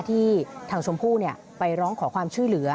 ที่ทางชมพู่ไปร้องขอความช่วยเหลือ